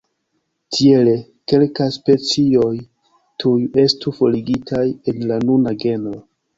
Tiele, kelkaj specioj tuj estu forigitaj el la nuna genro.